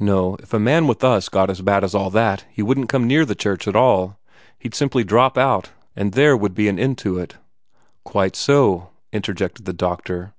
"No; if a man with us got as bad as all that, he wouldn't come near the church at all. He'd simply drop out, and there would be an end to it." "Quite so," interjected the doctor.